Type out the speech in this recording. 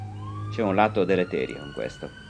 C'è un lato deleterio in questo.